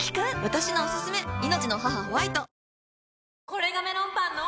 これがメロンパンの！